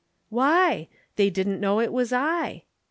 _] "Why? They didn't know it was I.